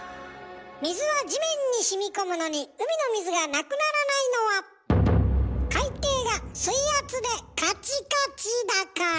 水は地面にしみこむのに海の水がなくならないのは海底が水圧でカチカチだから。